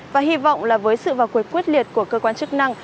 và hy vọng là với sự vào cuộc quyết liệt của cơ quan chức năng